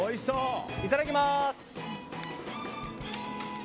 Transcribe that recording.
いただきます！